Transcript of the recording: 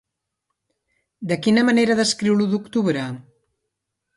De quina manera descriu l'U d'Octubre?